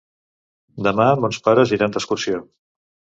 Demà mons pares iran d'excursió.